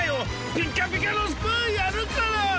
ピッカピカのスプーンやるから！